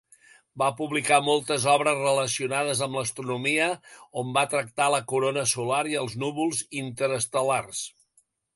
Va publicar moltes obres relacionades amb l'astronomia, on va tractar la corona solar i els núvols interestel·lars.